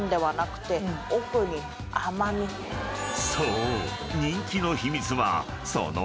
［そう］